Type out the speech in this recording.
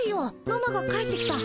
ママが帰ってきた。